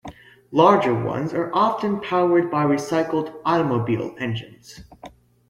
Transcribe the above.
Larger ones are often powered by recycled automobile engines.